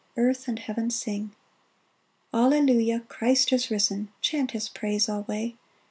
" Earth and heaven sing ! Alleluia ! Christ is risen ! Chant his praise alway